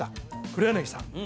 黒柳さん